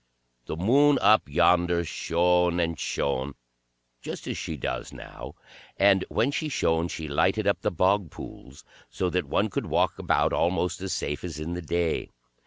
The Moon up yonder shone and shone, just as she does now, and when she shone she lighted up the bog pools, so that one could walk about almost as safe as in the day.